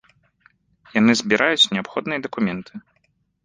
Яны збіраюць неабходныя дакументы.